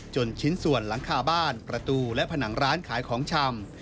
ชิ้นส่วนหลังคาบ้านประตูและผนังร้านขายของชำ